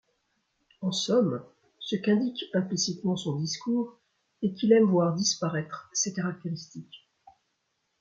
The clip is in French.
En somme, ce qu’indique implicitement Son discours est qu’Il aime voir disparaître ces caractéristiques.